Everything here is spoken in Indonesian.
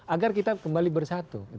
agar kita kembali bersatu